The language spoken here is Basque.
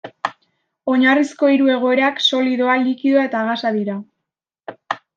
Oinarrizko hiru egoerak solidoa, likidoa eta gasa dira.